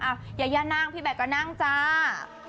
อ้าวยายานั่งพี่แบร์ก็นั่งจ้า